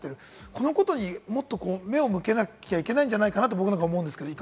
このことにもっと目を向けなきゃいけないじゃないかなって思うんですけれども、